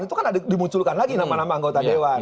itu kan dimunculkan lagi nama nama anggota dewan